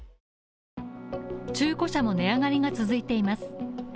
中古車も値上がりが続いています。